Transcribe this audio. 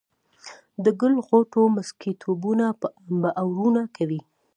د ګل غوټو مسكيتوبونه به اورونه کوي